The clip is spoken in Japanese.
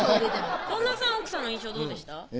旦那さんは奥さんの印象どうでした？